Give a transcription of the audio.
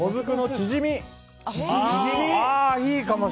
チヂミね。